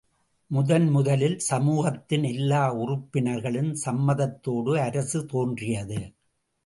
முதன் முதலில் சமூகத்தின் எல்லா உறுப்பினர்களின் சம்மதத்தோடு அரசு தோன்றியது.